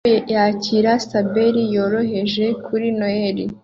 Umuhungu yakira saber yoroheje kuri Noheri